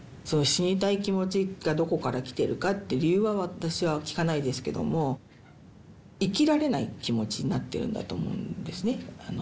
その死にたい気持ちがどこから来てるかって理由は私は聞かないですけども生きられない気持ちになってるんだと思うんですね。